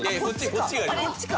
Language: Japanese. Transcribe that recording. こっちか。